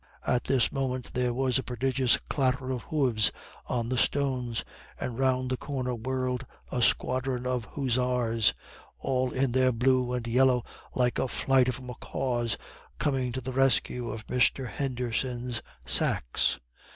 At this moment there was a prodigious clatter of hoofs on the stones, and round the corner whirled a squadron of hussars, all in their blue and yellow like a flight of macaws, coming to the rescue of Mr. Henderson's sacks.